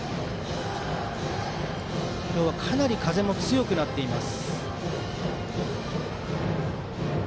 今日はかなり風も強くなっています。